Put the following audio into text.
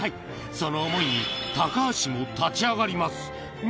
その想いに高橋も立ち上がります。